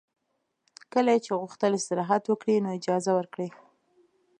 کله یې چې غوښتل استراحت وکړي نو اجازه ورکړئ